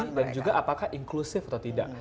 ya relevansi dan juga apakah inklusif atau tidak